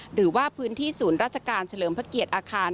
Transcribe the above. หรือว่าพื้นที่ศูนย์ราชการเฉลิมพระเกียรติอาคาร